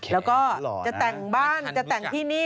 แล้วก็จะแต่งบ้านจะแต่งที่นี่